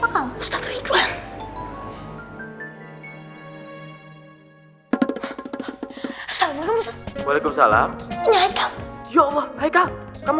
kamu telepon siapa kamu